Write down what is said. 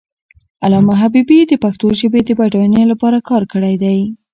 علامه حبیبي د پښتو ژبې د بډاینې لپاره کار کړی دی.